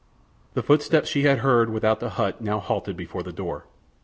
The footsteps she had heard without the hut now halted before the door.